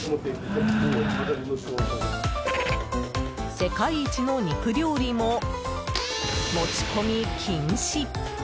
世界一の肉料理も持ち込み禁止。